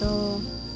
oh jadi gitu